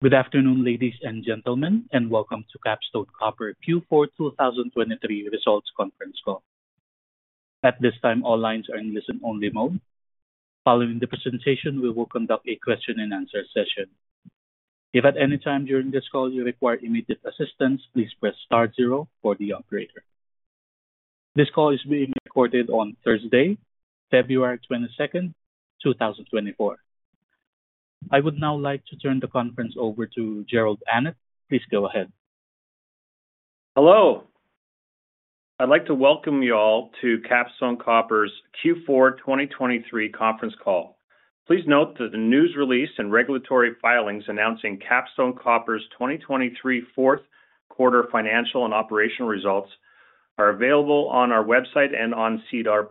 Good afternoon, ladies and gentlemen, and welcome to Capstone Copper Q4 2023 Results Conference Call. At this time, all lines are in listen-only mode. Following the presentation, we will conduct a question-and-answer session. If at any time during this call you require immediate assistance, please press star zero for the operator. This call is being recorded on Thursday, February 22nd, 2024. I would now like to turn the conference over to Jerrold Annett, please go ahead. Hello. I'd like to welcome y'all to Capstone Copper's Q4 2023 conference call. Please note that the news release and regulatory filings announcing Capstone Copper's 2023 fourth quarter financial and operational results are available on our website and on SEDAR+.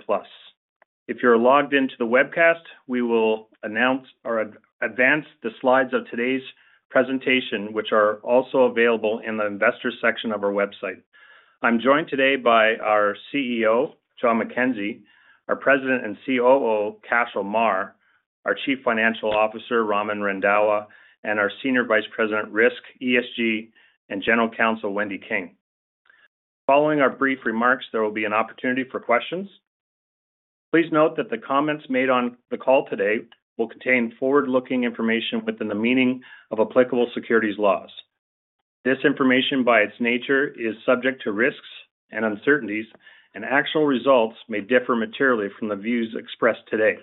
If you're logged into the webcast, we will announce or advance the slides of today's presentation, which are also available in the investor section of our website. I'm joined today by our CEO, John MacKenzie, our President and COO, Cashel Meagher, our Chief Financial Officer, Raman Randhawa, and our Senior Vice President, Risk, ESG, and General Counsel, Wendy King. Following our brief remarks, there will be an opportunity for questions. Please note that the comments made on the call today will contain forward-looking information within the meaning of applicable securities laws. This information, by its nature, is subject to risks and uncertainties, and actual results may differ materially from the views expressed today.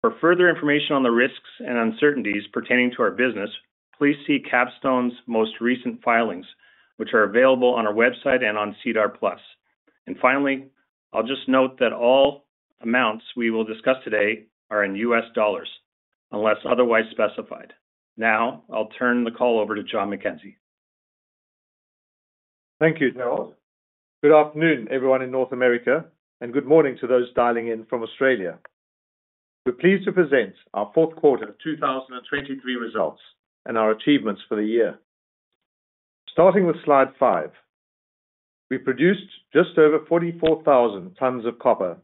For further information on the risks and uncertainties pertaining to our business, please see Capstone's most recent filings, which are available on our website and on SEDAR+. Finally, I'll just note that all amounts we will discuss today are in U.S. dollars, unless otherwise specified. Now I'll turn the call over to John MacKenzie. Thank you, Jerrold. Good afternoon, everyone in North America, and good morning to those dialing in from Australia. We're pleased to present our fourth quarter 2023 results and our achievements for the year. Starting with slide five, we produced just over 44,000 tons of copper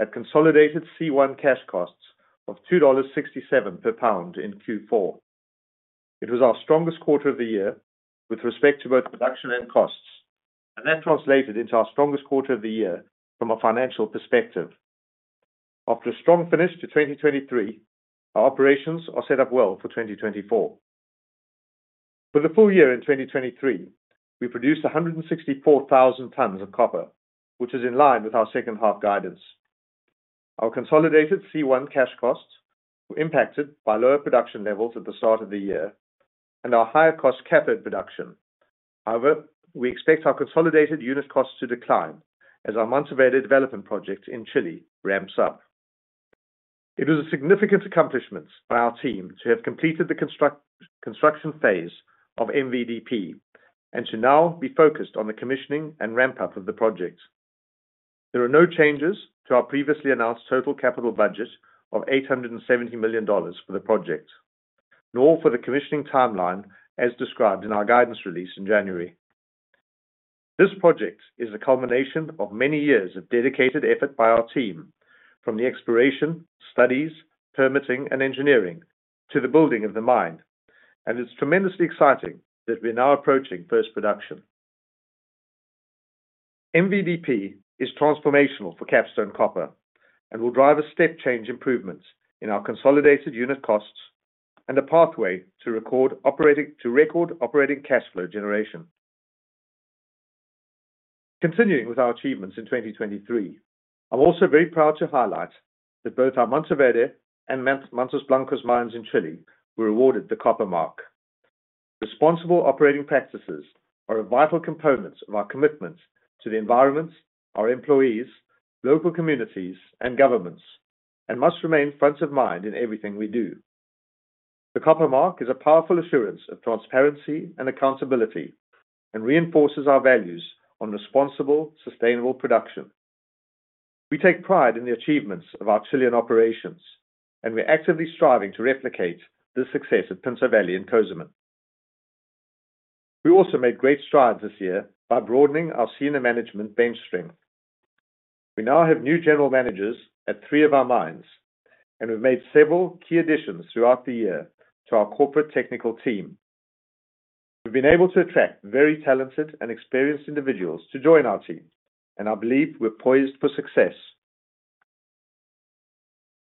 at consolidated C1 cash costs of $2.67 per pound in Q4. It was our strongest quarter of the year with respect to both production and costs, and that translated into our strongest quarter of the year from a financial perspective. After a strong finish to 2023, our operations are set up well for 2024. For the full year in 2023, we produced 164,000 tons of copper, which is in line with our second half guidance. Our consolidated C1 cash costs were impacted by lower production levels at the start of the year and our higher cost cap at production. However, we expect our consolidated unit costs to decline as our Mantoverde Development Project in Chile ramps up. It was a significant accomplishment for our team to have completed the construction phase of MVDP and to now be focused on the commissioning and ramp-up of the project. There are no changes to our previously announced total capital budget of $870 million for the project, nor for the commissioning timeline as described in our guidance release in January. This project is a culmination of many years of dedicated effort by our team, from the exploration, studies, permitting, and engineering to the building of the mine, and it's tremendously exciting that we're now approaching first production. MVDP is transformational for Capstone Copper and will drive a step change improvements in our consolidated unit costs and a pathway to record operating cash flow generation. Continuing with our achievements in 2023, I'm also very proud to highlight that both our Mantoverde and Mantos Blancos mines in Chile were awarded the Copper Mark. Responsible operating practices are a vital component of our commitment to the environments, our employees, local communities, and governments, and must remain front of mind in everything we do. The Copper Mark is a powerful assurance of transparency and accountability and reinforces our values on responsible, sustainable production. We take pride in the achievements of our Chilean operations, and we're actively striving to replicate the success at Pinto Valley in Cozamin. We also made great strides this year by broadening our senior management bench strength. We now have new general managers at three of our mines, and we've made several key additions throughout the year to our corporate technical team. We've been able to attract very talented and experienced individuals to join our team, and I believe we're poised for success.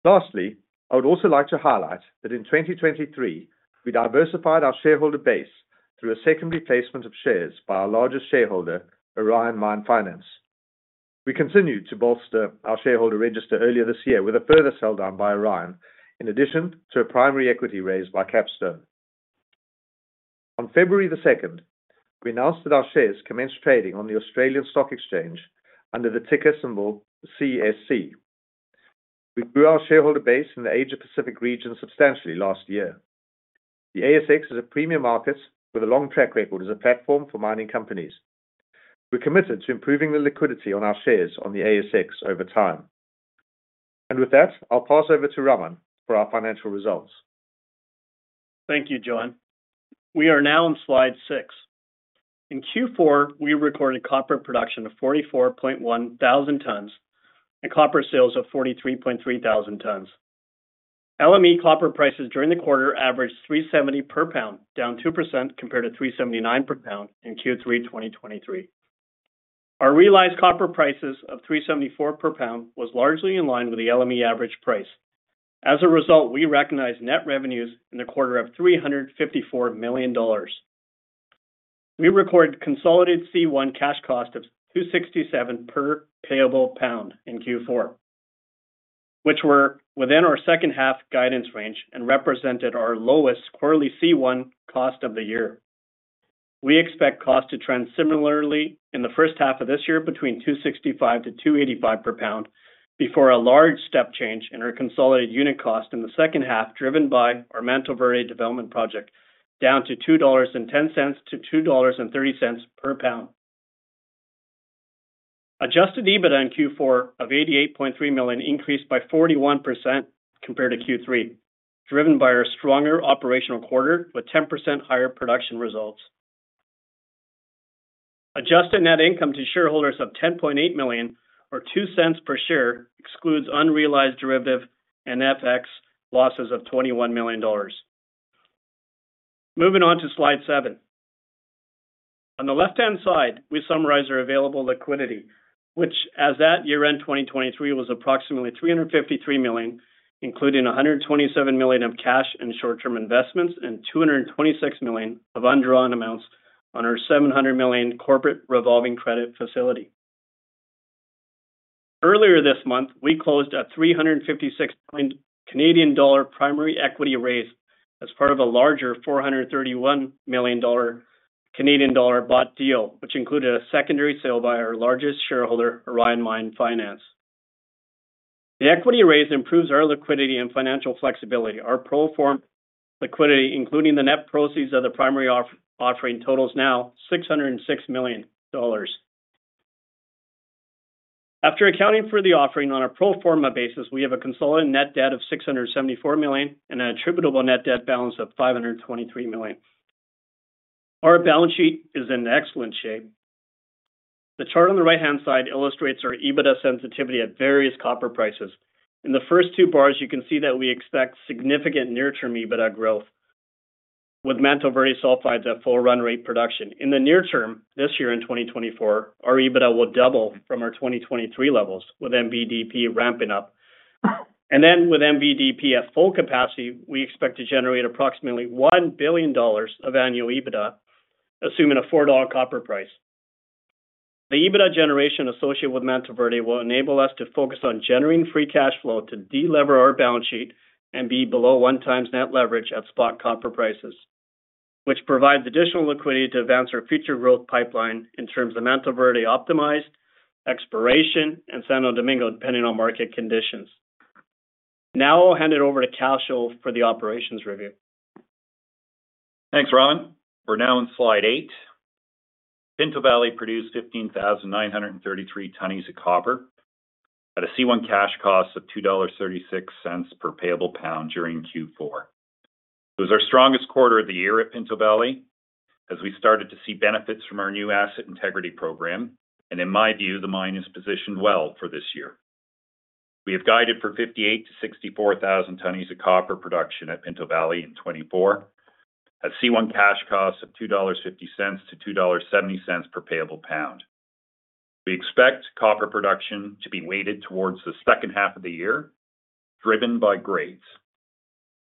Lastly, I would also like to highlight that in 2023, we diversified our shareholder base through a secondary placement of shares by our largest shareholder, Orion Mine Finance. We continued to bolster our shareholder register earlier this year with a further sell down by Orion, in addition to a primary equity raise by Capstone. On February the 2nd, we announced that our shares commenced trading on the Australian Securities Exchange under the ticker symbol CSC. We grew our shareholder base in the Asia-Pacific region substantially last year. The ASX is a premium market with a long track record as a platform for mining companies. We're committed to improving the liquidity on our shares on the ASX over time. With that, I'll pass over to Raman for our financial results. Thank you, John. We are now on slide six. In Q4, we recorded copper production of 44,100 tons and copper sales of 43,300 tons. LME copper prices during the quarter averaged $3.70 per pound, down 2% compared to $3.79 per pound in Q3 2023. Our realized copper prices of $3.74 per pound were largely in line with the LME average price. As a result, we recognized net revenues in the quarter of $354 million. We recorded consolidated C1 cash costs of $2.67 per payable pound in Q4, which were within our second half guidance range and represented our lowest quarterly C1 cost of the year. We expect cost to trend similarly in the first half of this year between $0.265-$0.285 per pound before a large step change in our consolidated unit cost in the second half, driven by our Mantoverde Development Project, down to $2.10-$2.30 per pound. Adjusted EBITDA in Q4 of $88.3 million increased by 41% compared to Q3, driven by our stronger operational quarter with 10% higher production results. Adjusted net income to shareholders of $10.8 million or $0.02 per share excludes unrealized derivative and FX losses of $21 million. Moving on to slide seven. On the left-hand side, we summarize our available liquidity, which as at year-end 2023 was approximately $353 million, including $127 million of cash and short-term investments and $226 million of undrawn amounts on our $700 million corporate revolving credit facility. Earlier this month, we closed a $356 million primary equity raise as part of a larger 431 million Canadian dollar bought deal, which included a secondary sale by our largest shareholder, Orion Mine Finance. The equity raise improves our liquidity and financial flexibility. Our pro-form liquidity, including the net proceeds of the primary offering totals, is now $606 million. After accounting for the offering on a pro-forma basis, we have a consolidated net debt of $674 million and an attributable net debt balance of $523 million. Our balance sheet is in excellent shape. The chart on the right-hand side illustrates our EBITDA sensitivity at various copper prices. In the first two bars, you can see that we expect significant near-term EBITDA growth with Mantoverde sulfides at full run rate production. In the near term, this year in 2024, our EBITDA will double from our 2023 levels, with MVDP ramping up. Then with MVDP at full capacity, we expect to generate approximately $1 billion of annual EBITDA, assuming a $4 copper price. The EBITDA generation associated with Mantoverde will enable us to focus on generating free cash flow to delever our balance sheet and be below one-times net leverage at spot copper prices, which provides additional liquidity to advance our future growth pipeline in terms of Mantoverde Optimized, expansion, and Santo Domingo, depending on market conditions. Now I'll hand it over to Cashel for the operations review. Thanks, Raman. We're now on slide eight. Pinto Valley produced 15,933 tons of copper at a C1 cash cost of $2.36 per payable pound during Q4. It was our strongest quarter of the year at Pinto Valley as we started to see benefits from our new asset integrity program, and in my view, the mine is positioned well for this year. We have guided for 58,000-64,000 tons of copper production at Pinto Valley in 2024 at a C1 cash cost of $2.50-$2.70 per payable pound. We expect copper production to be weighted towards the second half of the year, driven by grades.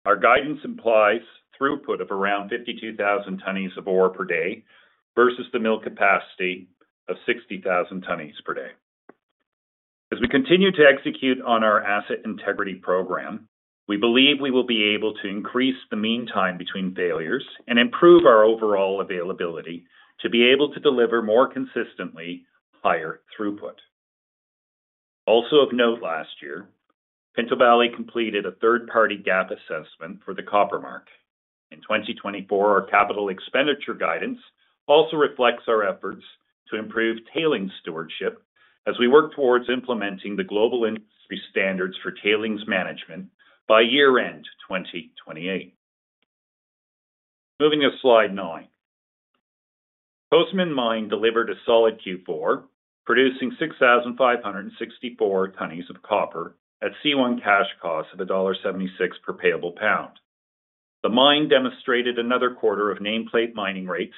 Our guidance implies throughput of around 52,000 tons of ore per day versus the mill capacity of 60,000 tons per day. As we continue to execute on our asset integrity program, we believe we will be able to increase the meantime between failures and improve our overall availability to be able to deliver more consistently higher throughput. Also of note, last year, Pinto Valley completed a third-party gap assessment for the Copper Mark. In 2024, our capital expenditure guidance also reflects our efforts to improve tailings stewardship as we work towards implementing the Global Industry Standards for Tailings management by year-end 2028. Moving to slide nine. Cozamin Mine delivered a solid Q4, producing 6,564 tons of copper at a C1 cash cost of $1.76 per payable pound. The mine demonstrated another quarter of nameplate mining rates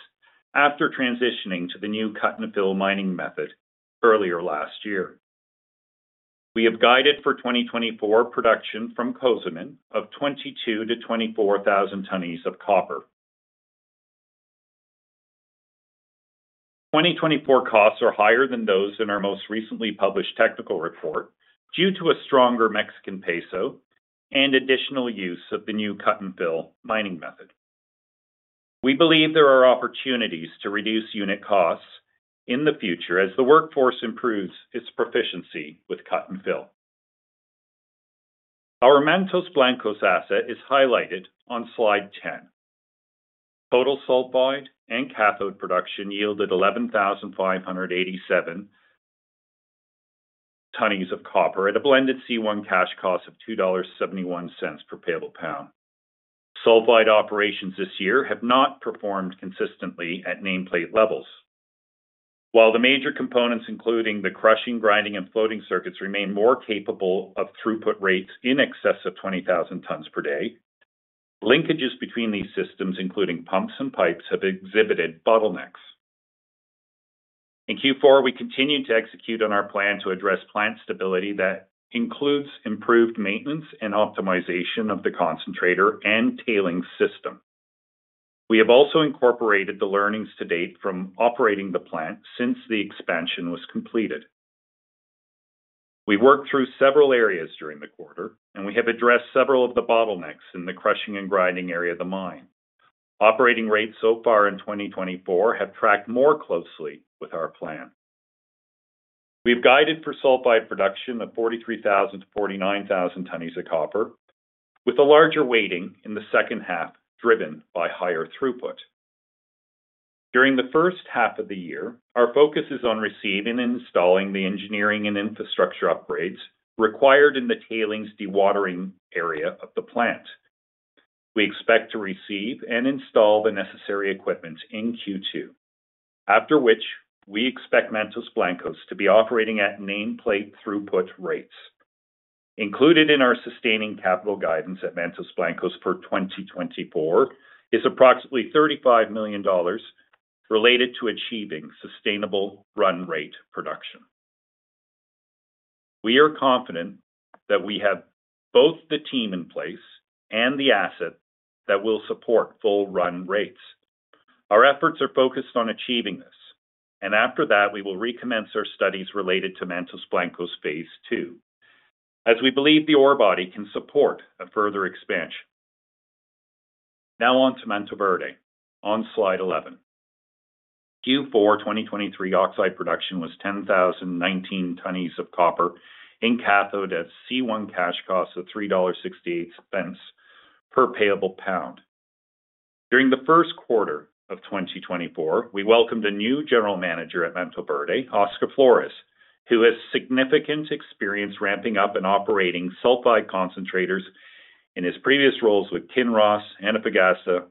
after transitioning to the new cut-and-fill mining method earlier last year. We have guided for 2024 production from Cozamin of 22,000-24,000 tons of copper. 2024 costs are higher than those in our most recently published technical report due to a stronger Mexican peso and additional use of the new cut-and-fill mining method. We believe there are opportunities to reduce unit costs in the future as the workforce improves its proficiency with cut-and-fill. Our Mantos Blancos asset is highlighted on slide 10. Total sulfide and cathode production yielded 11,587 tons of copper at a blended C1 cash cost of $2.71 per payable pound. Sulfide operations this year have not performed consistently at nameplate levels. While the major components, including the crushing, grinding, and floating circuits, remain more capable of throughput rates in excess of 20,000 tons per day, linkages between these systems, including pumps and pipes, have exhibited bottlenecks. In Q4, we continue to execute on our plan to address plant stability that includes improved maintenance and optimization of the concentrator and tailings system. We have also incorporated the learnings to date from operating the plant since the expansion was completed. We worked through several areas during the quarter, and we have addressed several of the bottlenecks in the crushing and grinding area of the mine. Operating rates so far in 2024 have tracked more closely with our plan. We've guided for sulfide production of 43,000-49,000 tons of copper, with a larger weighting in the second half driven by higher throughput. During the first half of the year, our focus is on receiving and installing the engineering and infrastructure upgrades required in the tailings dewatering area of the plant. We expect to receive and install the necessary equipment in Q2, after which we expect Mantos Blancos to be operating at nameplate throughput rates. Included in our sustaining capital guidance at Mantos Blancos for 2024 is approximately $35 million related to achieving sustainable run rate production. We are confident that we have both the team in place and the asset that will support full run rates. Our efforts are focused on achieving this, and after that, we will recommence our studies related to Mantos Blancos Phase II, as we believe the ore body can support a further expansion. Now on to Mantoverde, on slide 11. Q4 2023 oxide production was 10,019 tons of copper cathode at a C1 cash cost of $3.68 per payable pound. During the first quarter of 2024, we welcomed a new general manager at Mantoverde, Óscar Flores, who has significant experience ramping up and operating sulfide concentrators in his previous roles with Kinross, Antofagasta,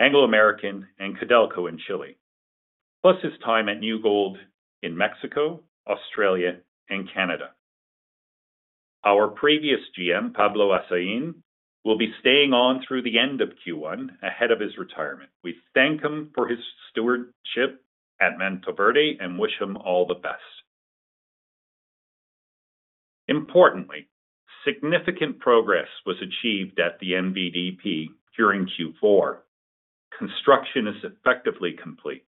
Anglo American, and Codelco in Chile, plus his time at New Gold in Mexico, Australia, and Canada. Our previous GM, Pablo Asiain, will be staying on through the end of Q1 ahead of his retirement. We thank him for his stewardship at Mantoverde and wish him all the best. Importantly, significant progress was achieved at the MVDP during Q4. Construction is effectively complete.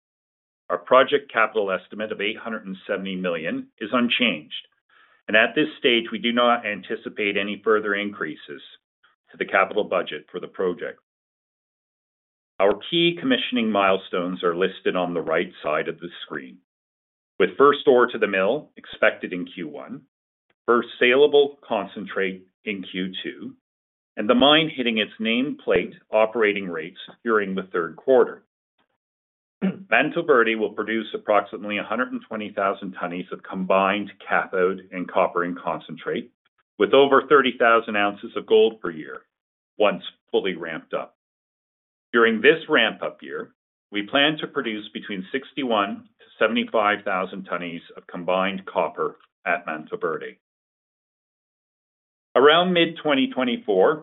Our project capital estimate of $870 million is unchanged, and at this stage, we do not anticipate any further increases to the capital budget for the project. Our key commissioning milestones are listed on the right side of the screen, with first ore to the mill expected in Q1, first saleable concentrate in Q2, and the mine hitting its nameplate operating rates during the third quarter. Mantoverde will produce approximately 120,000 tons of combined cathode and copper concentrate, with over 30,000 oz of gold per year once fully ramped up. During this ramp-up year, we plan to produce between 61,000-75,000 tons of combined copper at Mantoverde. Around mid-2024,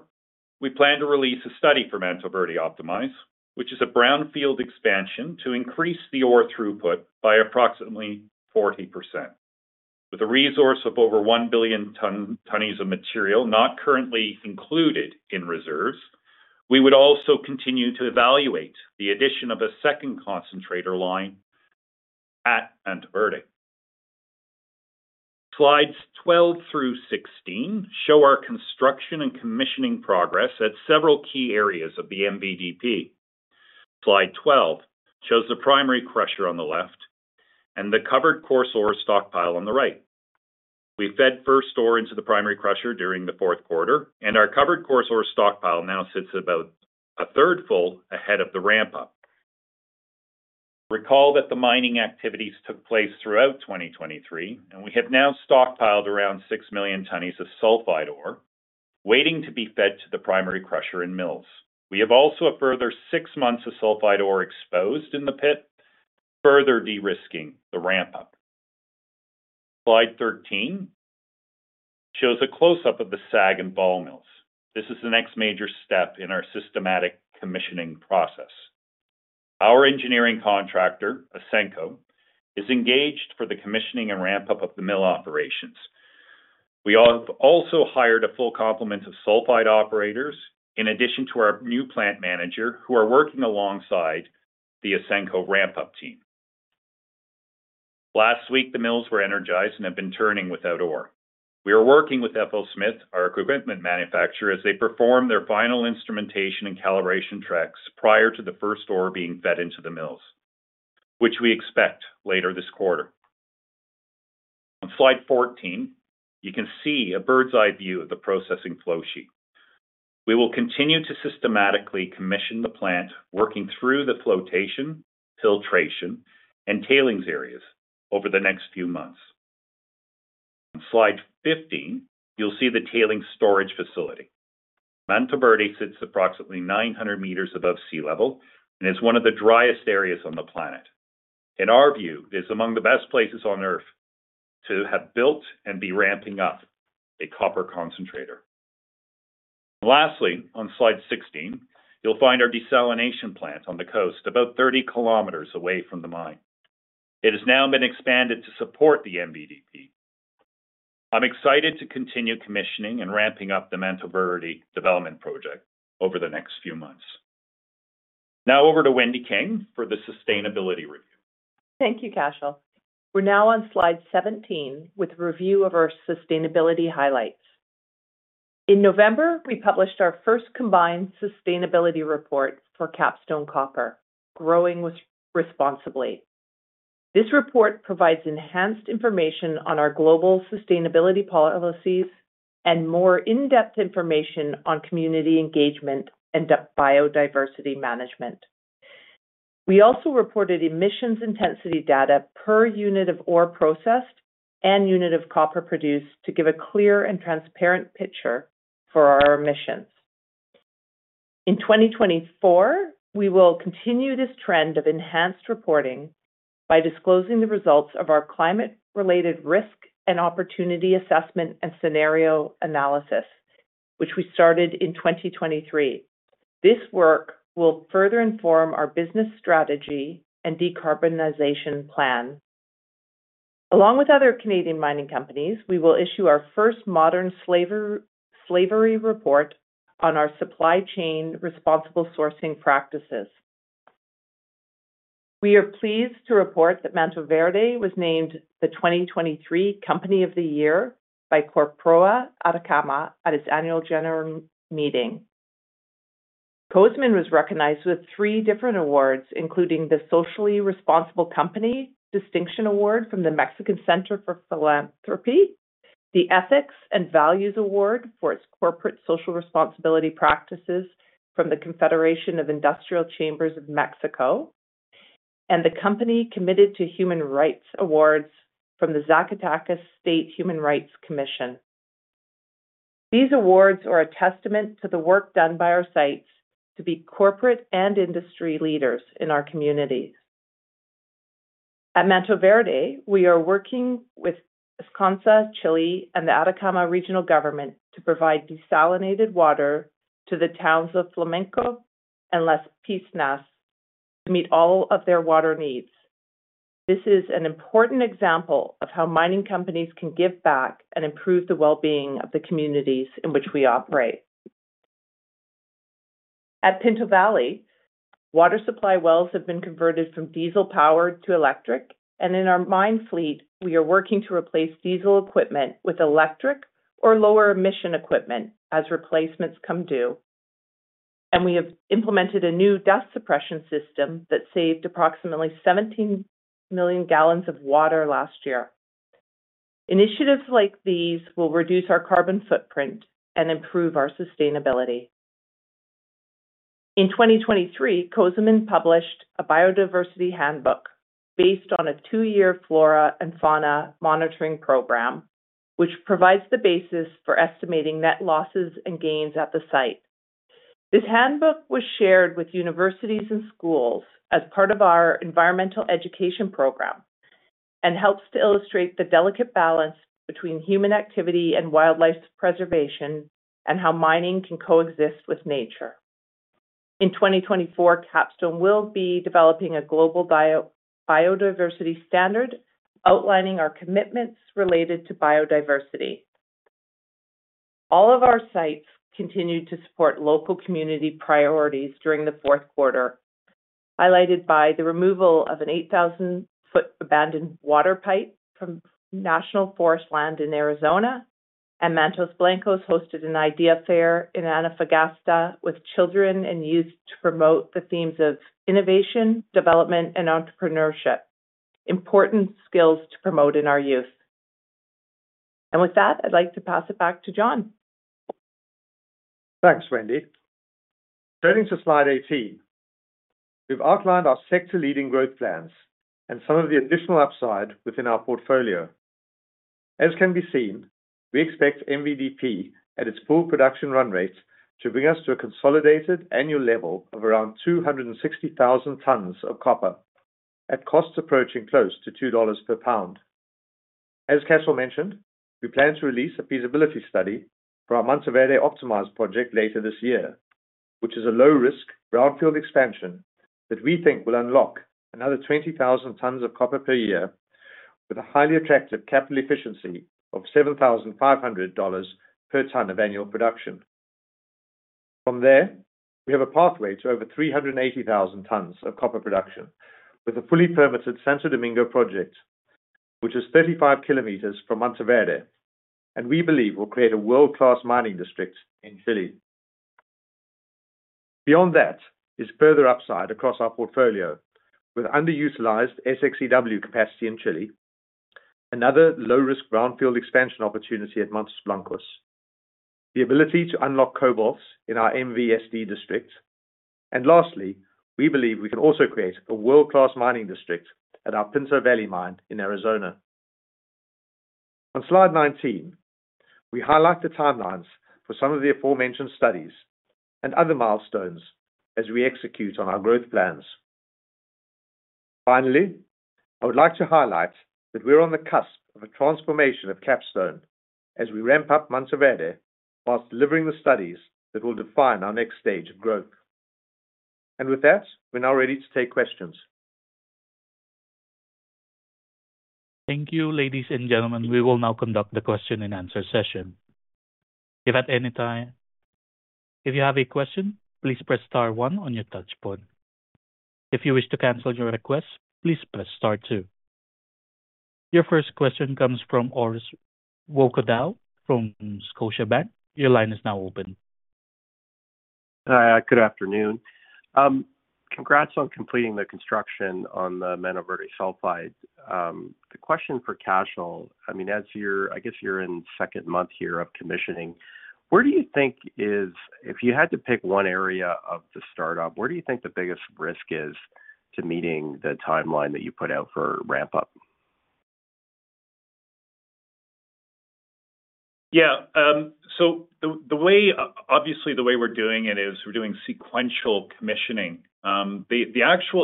we plan to release a study for Mantoverde Optimized, which is a brownfield expansion to increase the ore throughput by approximately 40%. With a resource of over 1 billion tons of material not currently included in reserves, we would also continue to evaluate the addition of a second concentrator line at Mantoverde. Slides 12 through 16 show our construction and commissioning progress at several key areas of the MVDP. Slide 12 shows the primary crusher on the left and the covered coarse ore stockpile on the right. We fed first ore into the primary crusher during the fourth quarter, and our covered coarse ore stockpile now sits about a third full ahead of the ramp-up. Recall that the mining activities took place throughout 2023, and we have now stockpiled around 6 million tons of sulfide ore waiting to be fed to the primary crusher in mills. We also have a further six months of sulfide ore exposed in the pit, further de-risking the ramp-up. Slide 13 shows a close-up of the SAG and ball mills. This is the next major step in our systematic commissioning process. Our engineering contractor, Ausenco, is engaged for the commissioning and ramp-up of the mill operations. We have also hired a full complement of sulfide operators in addition to our new plant manager, who are working alongside the Ausenco ramp-up team. Last week, the mills were energized and have been turning without ore. We are working with FLSmidth, our equipment manufacturer, as they perform their final instrumentation and calibration tracks prior to the first ore being fed into the mills, which we expect later this quarter. On slide 14, you can see a bird's-eye view of the processing flow sheet. We will continue to systematically commission the plant, working through the flotation, filtration, and tailings areas over the next few months. On slide 15, you'll see the tailing storage facility. Mantoverde sits approximately 900 m above sea level and is one of the driest areas on the planet. In our view, it is among the best places on Earth to have built and be ramping up a copper concentrator. Lastly, on slide 16, you'll find our desalination plant on the coast, about 30 km away from the mine. It has now been expanded to support the MVDP. I'm excited to continue commissioning and ramping up the Mantoverde Development Project over the next few months. Now over to Wendy King for the sustainability review. Thank you, Cashel. We're now on slide 17 with a review of our sustainability highlights. In November, we published our first combined sustainability report for Capstone Copper, Growing Responsibly. This report provides enhanced information on our global sustainability policies and more in-depth information on community engagement and biodiversity management. We also reported emissions intensity data per unit of ore processed and unit of copper produced to give a clear and transparent picture for our emissions. In 2024, we will continue this trend of enhanced reporting by disclosing the results of our climate-related risk and opportunity assessment and scenario analysis, which we started in 2023. This work will further inform our business strategy and decarbonization plan. Along with other Canadian mining companies, we will issue our first modern slavery report on our supply chain responsible sourcing practices. We are pleased to report that Mantoverde was named the 2023 Company of the Year by CORPROA at its annual general meeting. Cozamin was recognized with three different awards, including the Socially Responsible Company Distinction Award from the Mexican Center for Philanthropy, the Ethics and Values Award for its corporate social responsibility practices from the Confederation of Industrial Chambers of Mexico, and the Company Committed to Human Rights Awards from the Zacatecas State Human Rights Commission. These awards are a testament to the work done by our sites to be corporate and industry leaders in our communities. At Mantoverde, we are working with Econssa Chile and the Atacama Regional Government to provide desalinated water to the towns of Flamenco and Las Piscinas to meet all of their water needs. This is an important example of how mining companies can give back and improve the well-being of the communities in which we operate. At Pinto Valley, water supply wells have been converted from diesel powered to electric, and in our mine fleet, we are working to replace diesel equipment with electric or lower emission equipment as replacements come due. We have implemented a new dust suppression system that saved approximately 17 million gallons of water last year. Initiatives like these will reduce our carbon footprint and improve our sustainability. In 2023, Cozamin published a biodiversity handbook based on a two-year flora and fauna monitoring program, which provides the basis for estimating net losses and gains at the site. This handbook was shared with universities and schools as part of our environmental education program and helps to illustrate the delicate balance between human activity and wildlife preservation and how mining can coexist with nature. In 2024, Capstone will be developing a global biodiversity standard outlining our commitments related to biodiversity. All of our sites continued to support local community priorities during the fourth quarter, highlighted by the removal of an 8,000 ft abandoned water pipe from National Forest land in Arizona, and Mantos Blancos hosted an idea fair in Antofagasta with children and youth to promote the themes of innovation, development, and entrepreneurship, important skills to promote in our youth. With that, I'd like to pass it back to John. Thanks, Wendy. Turning to slide 18, we've outlined our sector-leading growth plans and some of the additional upside within our portfolio. As can be seen, we expect MVDP at its full production run rates to bring us to a consolidated annual level of around 260,000 tons of copper at costs approaching close to $2 per pound. As Cashel mentioned, we plan to release a feasibility study for our Mantoverde Optimized project later this year, which is a low-risk brownfield expansion that we think will unlock another 20,000 tons of copper per year with a highly attractive capital efficiency of $7,500 per ton of annual production. From there, we have a pathway to over 380,000 tons of copper production with a fully permitted Santo Domingo project, which is 35 km from Mantoverde, and we believe will create a world-class mining district in Chile. Beyond that is further upside across our portfolio with underutilized SX-EW capacity in Chile, another low-risk brownfield expansion opportunity at Mantos Blancos, the ability to unlock cobalts in our MV-SD district, and lastly, we believe we can also create a world-class mining district at our Pinto Valley mine in Arizona. On slide 19, we highlight the timelines for some of the aforementioned studies and other milestones as we execute on our growth plans. Finally, I would like to highlight that we're on the cusp of a transformation of Capstone as we ramp up Mantoverde while delivering the studies that will define our next stage of growth. And with that, we're now ready to take questions. Thank you, ladies and gentlemen. We will now conduct the question-and-answer session. If at any time you have a question, please press star one on your touch-tone phone. If you wish to cancel your request, please press star two. Your first question comes from Orest Wowkodaw from Scotiabank. Your line is now open. Hi, good afternoon. Congrats on completing the construction on the Mantoverde sulfide. The question for Cashel, I mean, as you're, I guess, you're in second month here of commissioning. Where do you think is if you had to pick one area of the startup, where do you think the biggest risk is to meeting the timeline that you put out for ramp-up? Yeah. So obviously, the way we're doing it is we're doing sequential commissioning.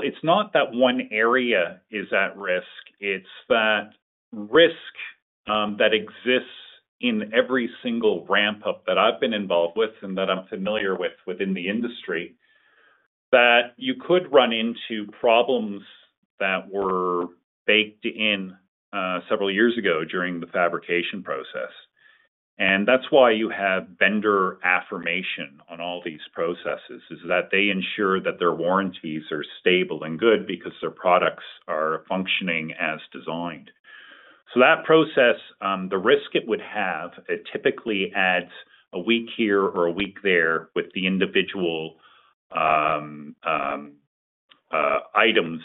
It's not that one area is at risk. It's that risk that exists in every single ramp-up that I've been involved with and that I'm familiar with within the industry, that you could run into problems that were baked in several years ago during the fabrication process. And that's why you have vendor affirmation on all these processes, is that they ensure that their warranties are stable and good because their products are functioning as designed. So that process, the risk it would have, it typically adds a week here or a week there with the individual items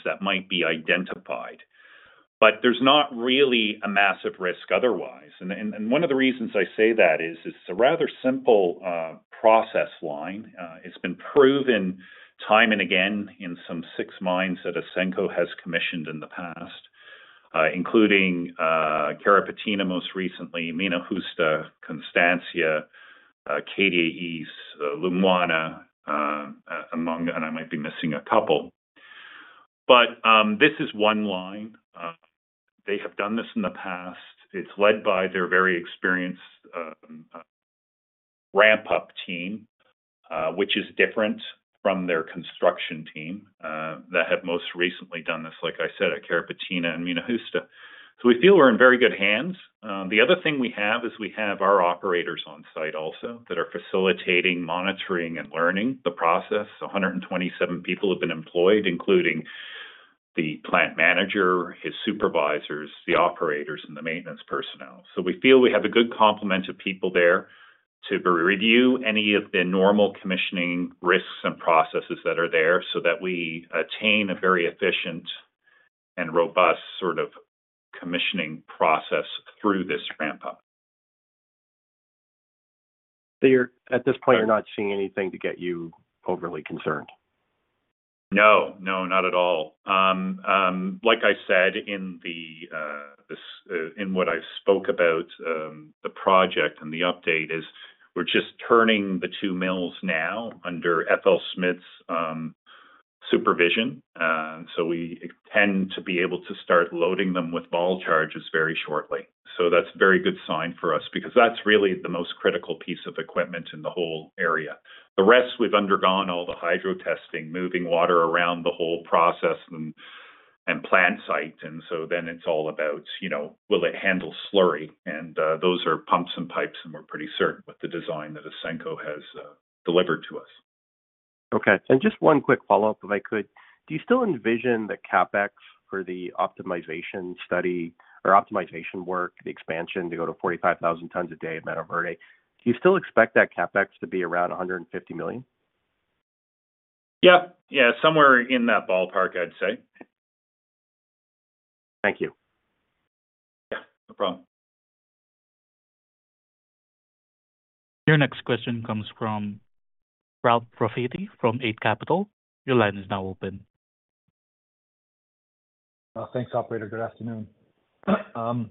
that might be identified. But there's not really a massive risk otherwise. And one of the reasons I say that is it's a rather simple process line. It's been proven time and again in some six mines that Ausenco has commissioned in the past, including Carrapateena most recently, Mina Justa, Constancia, Cadia East, Lumwana, among and I might be missing a couple. But this is one line. They have done this in the past. It's led by their very experienced ramp-up team, which is different from their construction team that have most recently done this, like I said, at Carrapateena and Mina Justa. So we feel we're in very good hands. The other thing we have is we have our operators on site also that are facilitating, monitoring, and learning the process. 127 people have been employed, including the plant manager, his supervisors, the operators, and the maintenance personnel. We feel we have a good complement of people there to review any of the normal commissioning risks and processes that are there so that we attain a very efficient and robust sort of commissioning process through this ramp-up. So at this point, you're not seeing anything to get you overly concerned? No, no, not at all. Like I said in what I spoke about, the project and the update is we're just turning the two mills now under FLSmidth's supervision. So we tend to be able to start loading them with ball charges very shortly. So that's a very good sign for us because that's really the most critical piece of equipment in the whole area. The rest, we've undergone all the hydro testing, moving water around the whole process and plant site. And so then it's all about, will it handle slurry? And those are pumps and pipes, and we're pretty certain with the design that Ausenco has delivered to us. Okay. And just one quick follow-up, if I could. Do you still envision the CapEx for the optimization study or optimization work, the expansion to go to 45,000 tons a day at Mantoverde? Do you still expect that CapEx to be around $150 million? Yeah, yeah, somewhere in that ballpark, I'd say. Thank you. Yeah, no problem. Your next question comes from Ralph Profiti from Eight Capital. Your line is now open. Thanks, operator. Good afternoon. My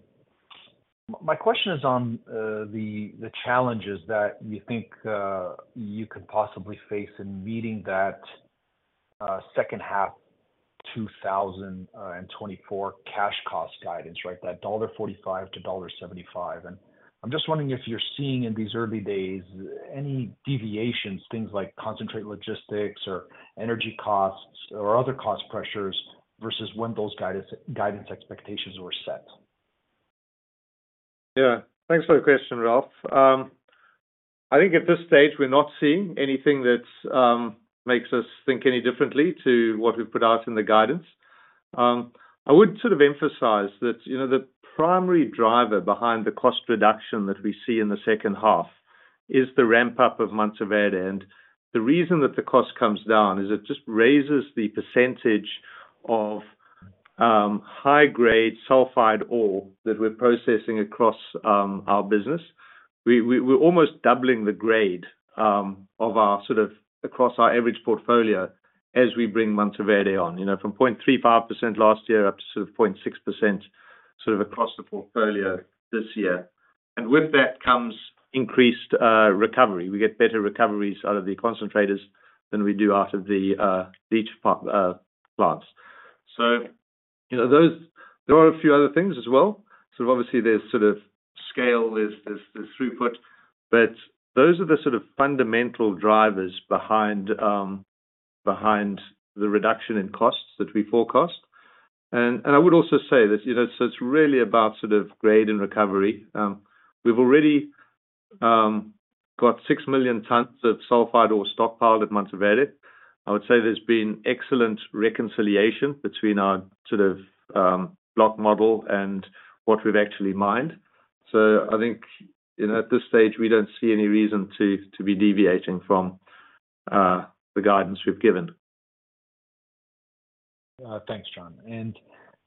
question is on the challenges that you think you could possibly face in meeting that second half 2024 cash cost guidance, right, that $1.45-$1.75. I'm just wondering if you're seeing in these early days any deviations, things like concentrate logistics or energy costs or other cost pressures versus when those guidance expectations were set? Yeah. Thanks for the question, Ralph. I think at this stage, we're not seeing anything that makes us think any differently to what we've put out in the guidance. I would sort of emphasize that the primary driver behind the cost reduction that we see in the second half is the ramp-up of Mantoverde. And the reason that the cost comes down is it just raises the percentage of high-grade sulfide ore that we're processing across our business. We're almost doubling the grade of our sort of across our average portfolio as we bring Mantoverde on, from 0.35% last year up to sort of 0.6% sort of across the portfolio this year. And with that comes increased recovery. We get better recoveries out of the concentrators than we do out of the leach plants. So there are a few other things as well. Sort of obviously, there's sort of scale, there's throughput. But those are the sort of fundamental drivers behind the reduction in costs that we forecast. And I would also say that so it's really about sort of grade and recovery. We've already got 6 million tons of sulfide ore stockpiled at Mantoverde. I would say there's been excellent reconciliation between our sort of block model and what we've actually mined. So I think at this stage, we don't see any reason to be deviating from the guidance we've given. Thanks, John. And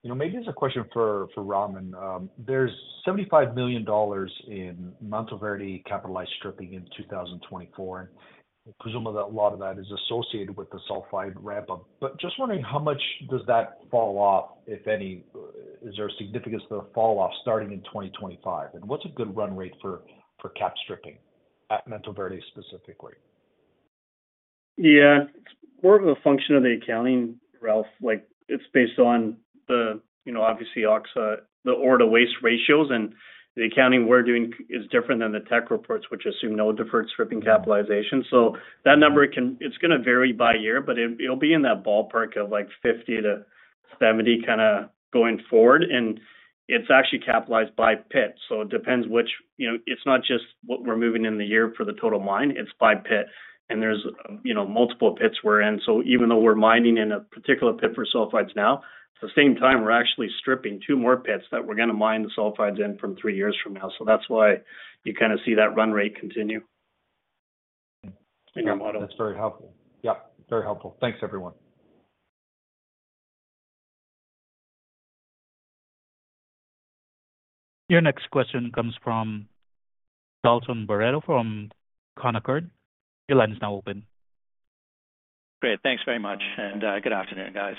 maybe there's a question for Raman. There's $75 million in Mantoverde capitalized stripping in 2024. And presumably, a lot of that is associated with the sulfide ramp-up. But just wondering, how much does that fall off, if any? Is there a significance to the falloff starting in 2025? And what's a good run rate for cap stripping at Mantoverde specifically? Yeah. It's more of a function of the accounting, Ralph. It's based on the obvious ore/waste ratios. And the accounting we're doing is different than the tech reports, which assume no deferred stripping capitalization. So that number, it's going to vary by year, but it'll be in that ballpark of like 50-70 kind of going forward. And it's actually capitalized by pit. So it depends which—it's not just what we're moving in the year for the total mine. It's by pit. And there's multiple pits we're in. So even though we're mining in a particular pit for sulfides now, at the same time, we're actually stripping two more pits that we're going to mine the sulfides in from three years from now. So that's why you kind of see that run rate continue in your model. That's very helpful. Yeah, very helpful. Thanks, everyone. Your next question comes from Dalton Baretto from Canaccord. Your line is now open. Great. Thanks very much. Good afternoon, guys.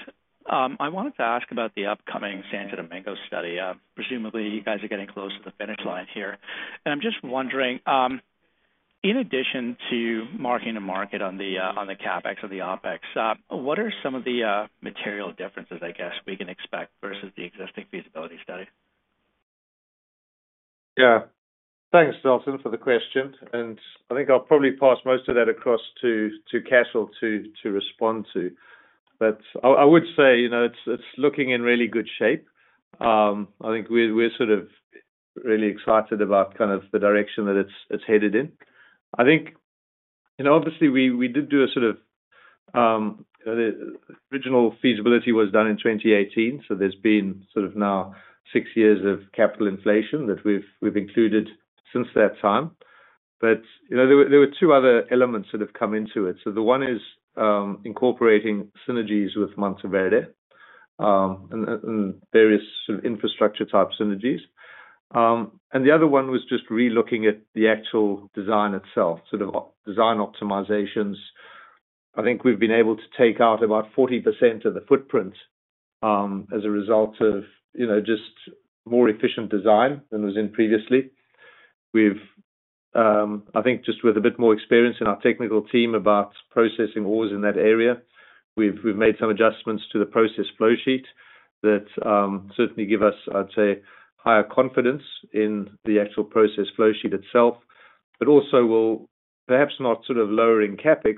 I wanted to ask about the upcoming Santo Domingo study. Presumably, you guys are getting close to the finish line here. And I'm just wondering, in addition to taking to market the CapEx and the OpEx, what are some of the material differences, I guess, we can expect versus the existing feasibility study? Yeah. Thanks, Dalton, for the question. I think I'll probably pass most of that across to Cashel to respond to. But I would say it's looking in really good shape. I think we're sort of really excited about kind of the direction that it's headed in. I think obviously, we did do a sort of the original feasibility was done in 2018. So there's been sort of now six years of capital inflation that we've included since that time. But there were two other elements that have come into it. So the one is incorporating synergies with Mantoverde and various sort of infrastructure-type synergies. And the other one was just relooking at the actual design itself, sort of design optimizations. I think we've been able to take out about 40% of the footprint as a result of just more efficient design than it was in previously. I think just with a bit more experience in our technical team about processing ores in that area, we've made some adjustments to the process flow sheet that certainly give us, I'd say, higher confidence in the actual process flow sheet itself, but also will perhaps not sort of lowering CapEx,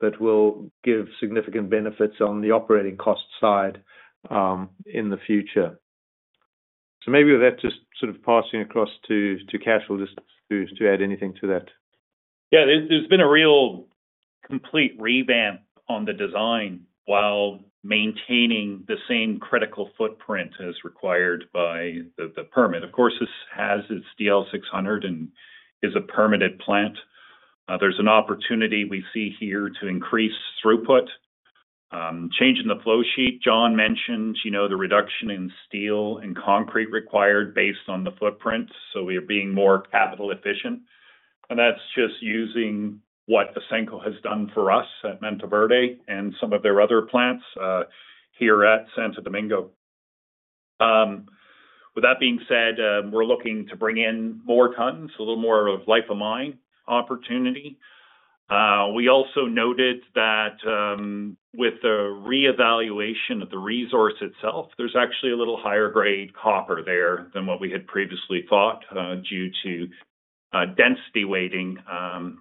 but will give significant benefits on the operating cost side in the future. So maybe with that just sort of passing across to Cashel just to add anything to that. Yeah. There's been a real complete revamp on the design while maintaining the same critical footprint as required by the permit. Of course, this has its DL 600 and is a permitted plant. There's an opportunity we see here to increase throughput. Change in the flow sheet, John mentioned the reduction in steel and concrete required based on the footprint. So we are being more capital efficient. And that's just using what Ausenco has done for us at Mantoverde and some of their other plants here at Santo Domingo. With that being said, we're looking to bring in more tons, a little more of life of mine opportunity. We also noted that with the reevaluation of the resource itself, there's actually a little higher-grade copper there than what we had previously thought due to density weighting.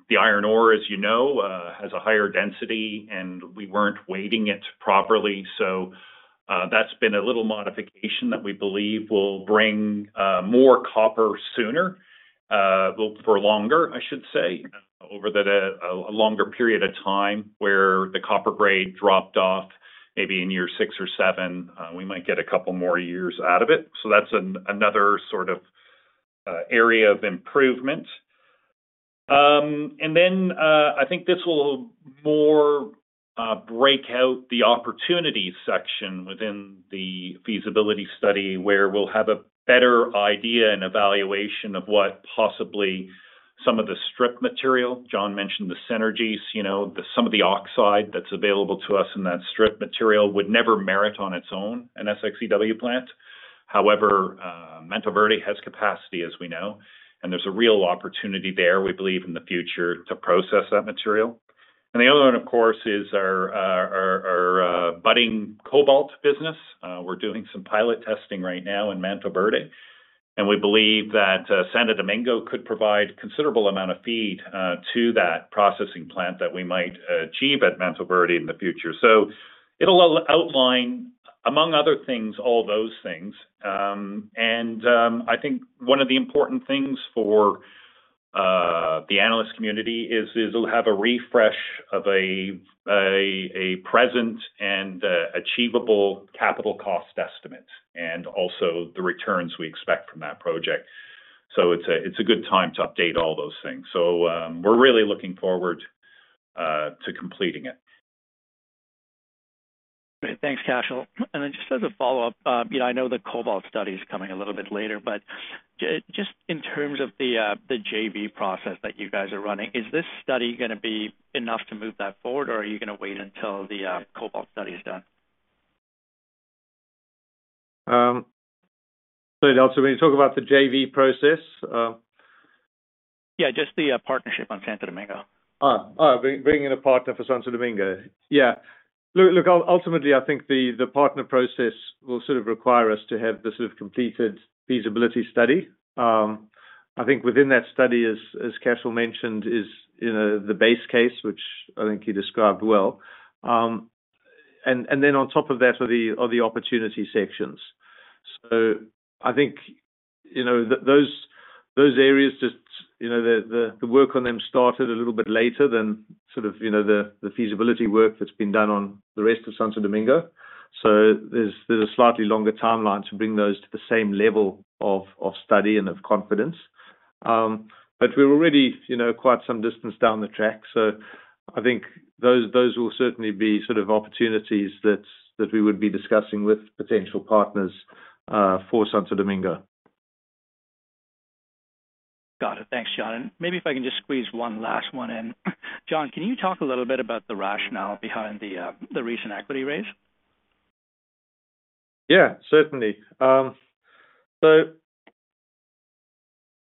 The iron ore, as you know, has a higher density, and we weren't weighting it properly. So that's been a little modification that we believe will bring more copper sooner for longer, I should say, over a longer period of time where the copper grade dropped off maybe in year six or seven. We might get a couple more years out of it. So that's another sort of area of improvement. And then I think this will more break out the opportunity section within the feasibility study where we'll have a better idea and evaluation of what possibly some of the strip material, John mentioned the synergies, some of the oxide that's available to us in that strip material would never merit on its own, an SX-EW plant. However, Mantoverde has capacity, as we know. And there's a real opportunity there, we believe, in the future to process that material. And the other one, of course, is our budding cobalt business. We're doing some pilot testing right now in Mantoverde. And we believe that Santo Domingo could provide a considerable amount of feed to that processing plant that we might achieve at Mantoverde in the future. So it'll outline, among other things, all those things. And I think one of the important things for the analyst community is it'll have a refresh of a present and achievable capital cost estimate and also the returns we expect from that project. So it's a good time to update all those things. So we're really looking forward to completing it. Great. Thanks, Cashel. And then just as a follow-up, I know the cobalt study is coming a little bit later. But just in terms of the JV process that you guys are running, is this study going to be enough to move that forward, or are you going to wait until the cobalt study is done? Sorry, Dalton, when you talk about the JV process? Yeah, just the partnership on Santo Domingo. Oh, bringing in a partner for Santo Domingo. Yeah. Look, ultimately, I think the partner process will sort of require us to have the sort of completed feasibility study. I think within that study, as Cashel mentioned, is the base case, which I think he described well. And then on top of that are the opportunity sections. So I think those areas just the work on them started a little bit later than sort of the feasibility work that's been done on the rest of Santo Domingo. So there's a slightly longer timeline to bring those to the same level of study and of confidence. But we're already quite some distance down the track. So I think those will certainly be sort of opportunities that we would be discussing with potential partners for Santo Domingo. Got it. Thanks, John. Maybe if I can just squeeze one last one in. John, can you talk a little bit about the rationale behind the recent equity raise? Yeah, certainly. So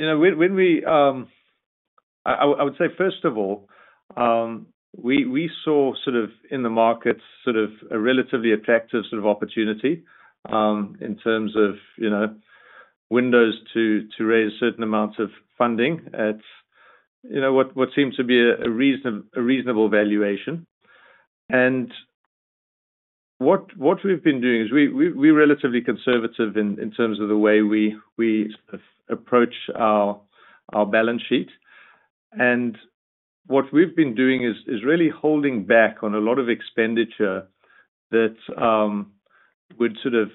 when we, I would say, first of all, we saw sort of in the markets sort of a relatively attractive sort of opportunity in terms of windows to raise certain amounts of funding at what seemed to be a reasonable valuation. And what we've been doing is we're relatively conservative in terms of the way we sort of approach our balance sheet. And what we've been doing is really holding back on a lot of expenditure that would sort of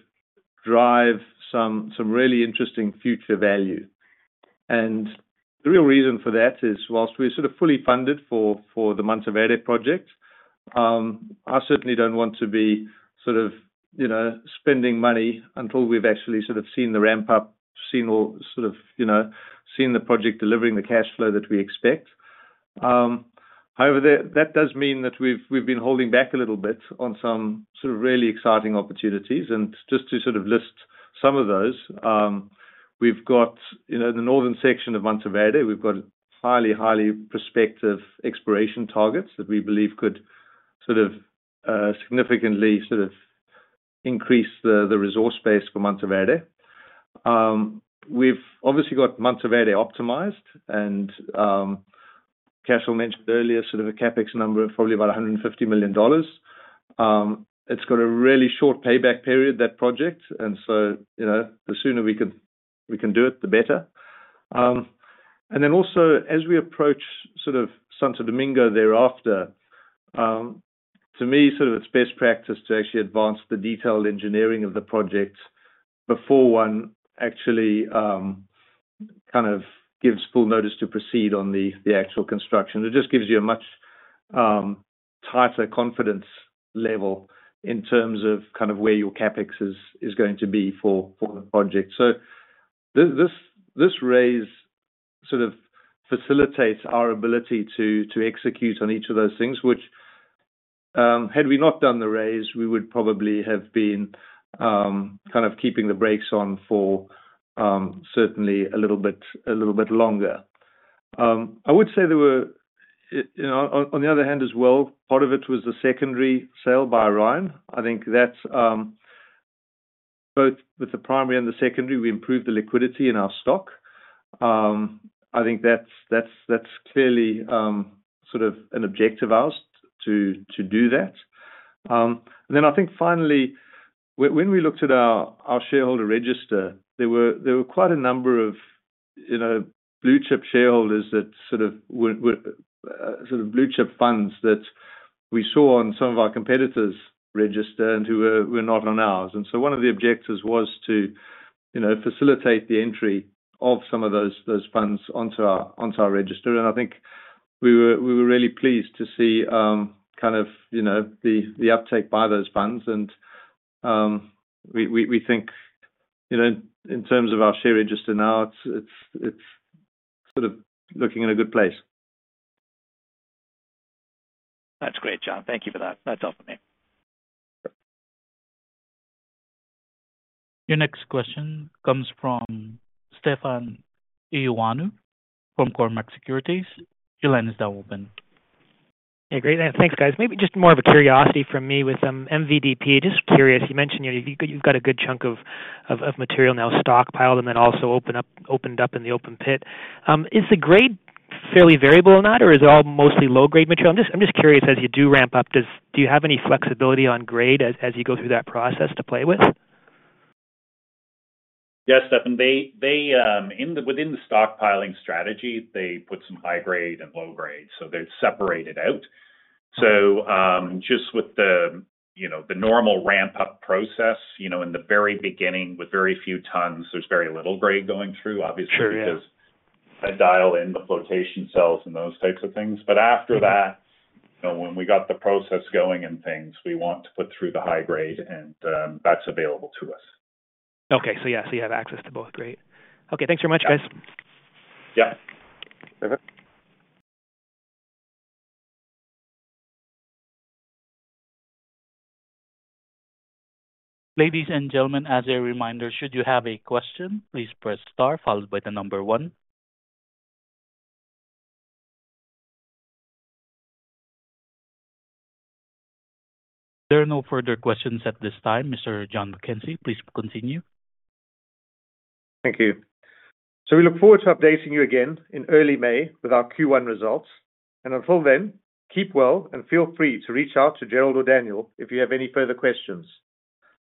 drive some really interesting future value. And the real reason for that is, whilst we're sort of fully funded for the Mantoverde project, I certainly don't want to be sort of spending money until we've actually sort of seen the ramp-up, seen the project delivering the cash flow that we expect. However, that does mean that we've been holding back a little bit on some sort of really exciting opportunities. Just to sort of list some of those, we've got in the northern section of Mantoverde, we've got highly, highly prospective exploration targets that we believe could sort of significantly sort of increase the resource base for Mantoverde. We've obviously got Mantoverde Optimized. And Cashel mentioned earlier sort of a CapEx number of probably about $150 million. It's got a really short payback period, that project. And so the sooner we can do it, the better. And then also, as we approach sort of Santo Domingo thereafter, to me, sort of it's best practice to actually advance the detailed engineering of the project before one actually kind of gives full notice to proceed on the actual construction. It just gives you a much tighter confidence level in terms of kind of where your CapEx is going to be for the project. So this raise sort of facilitates our ability to execute on each of those things, which had we not done the raise, we would probably have been kind of keeping the brakes on for certainly a little bit longer. I would say there were on the other hand as well, part of it was the secondary sale by Orion. I think that's both with the primary and the secondary, we improved the liquidity in our stock. I think that's clearly sort of an objective of ours to do that. And then I think finally, when we looked at our shareholder register, there were quite a number of blue-chip shareholders that sort of were sort of blue-chip funds that we saw on some of our competitors' register and who were not on ours. And so one of the objectives was to facilitate the entry of some of those funds onto our register. And I think we were really pleased to see kind of the uptake by those funds. And we think in terms of our share register now, it's sort of looking in a good place. That's great, John. Thank you for that. That's all from me. Your next question comes from Stefan Ioannou from Cormark Securities. Your line is now open. Yeah, great. Thanks, guys. Maybe just more of a curiosity from me with MVDP. Just curious, you mentioned you've got a good chunk of material now stockpiled and then also opened up in the open pit. Is the grade fairly variable or not, or is it all mostly low-grade material? I'm just curious, as you do ramp up, do you have any flexibility on grade as you go through that process to play with? Yes, Stefan. Within the stockpiling strategy, they put some high-grade and low-grade. So they're separated out. So just with the normal ramp-up process, in the very beginning, with very few tons, there's very little grade going through, obviously, because I dial in the flotation cells and those types of things. But after that, when we got the process going and things, we want to put through the high-grade, and that's available to us. Okay. So yeah, so you have access to both. Great. Okay. Thanks very much, guys. Yep. Ladies and gentlemen, as a reminder, should you have a question, please press star followed by the number one. There are no further questions at this time. Mr. John MacKenzie, please continue. Thank you. We look forward to updating you again in early May with our Q1 results. Until then, keep well and feel free to reach out to Jerrold or Daniel if you have any further questions.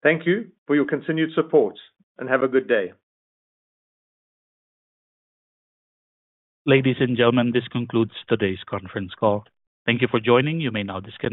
Thank you for your continued support, and have a good day. Ladies and gentlemen, this concludes today's conference call. Thank you for joining. You may now disconnect.